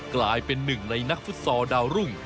กลายเป็นหนึ่งในนักฟุตซอลดาวรุ่ง